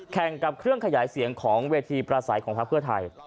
แข่งกับเครื่องขยายเสียงของเวทีประสัยของพักเพื่อไทย